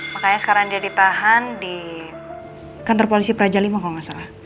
makanya sekarang dia ditahan di kantor polisi praja v kalau nggak salah